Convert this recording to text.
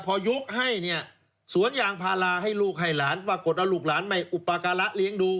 พอยกให้เนี่ยสวนยางพาราให้ลูกให้หลานปรากฏว่าลูกหลานไม่อุปการะเลี้ยงดู